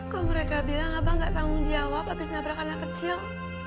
kok mereka bilang abang gak tanggung jawab habis nabrak anak kecil